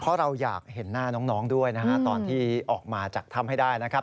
เพราะเราอยากเห็นหน้าน้องด้วยนะฮะตอนที่ออกมาจากถ้ำให้ได้นะครับ